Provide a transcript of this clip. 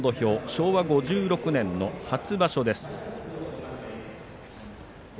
昭和５６年の初場所です。